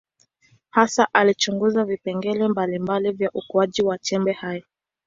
Hasa alichunguza vipengele mbalimbali vya ukuaji wa chembe hai.